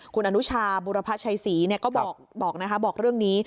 คุณอนุชาบุรพชัยศรีก็บอกเรื่องนี้